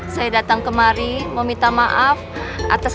saya datang ke tempat yang lebih baik